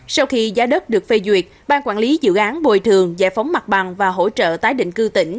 sau khi giá đất được phê duyệt ban quản lý dự án bồi thường giải phóng mặt bằng và hỗ trợ tái định cư tỉnh